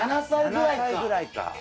７歳ぐらいか。